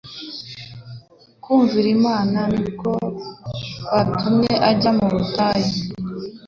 Kumvira Imana ni ko kwatumye ajyanwa mu butayu,